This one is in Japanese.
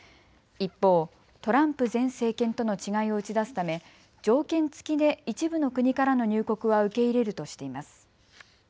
一方、トランプ前政権との違いを打ち出すため条件付きで一部の国からの入国は受け入れるとしています。